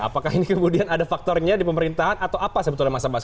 apakah ini kemudian ada faktornya di pemerintahan atau apa sebetulnya mas abbas